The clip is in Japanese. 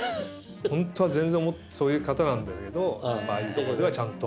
本当はそういう方なんだけどああいうとこではちゃんと。